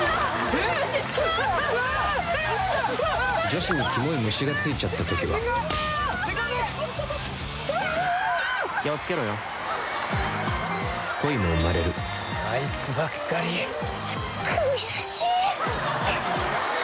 女子にキモい虫がついちゃった時は恋も生まれるあいつばっかり悔しい！